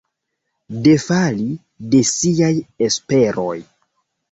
Defali de siaj esperoj.